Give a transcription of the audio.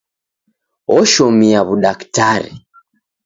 Oshomia w'udaktari.